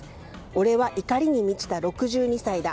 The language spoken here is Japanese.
俺は怒りに満ちた６２歳だ。